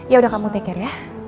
yaudah kamu take care ya